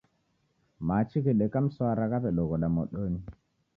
Machi ghedeka mswara ghaw'edoghoda modonyi.